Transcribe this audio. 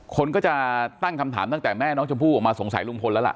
คนก็จะตั้งคำถามตั้งแต่แม่น้องชมพู่ออกมาสงสัยลุงพลแล้วล่ะ